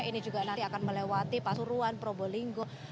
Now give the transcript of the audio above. ini juga nanti akan melewati pasuruan probolinggo